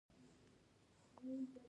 بریا به د نښتر لوبډلې وي